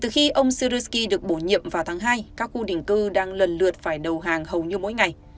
khi được bổ nhiệm vào tháng hai các khu đỉnh cư đang lần lượt phải đầu hàng hầu như mỗi ngày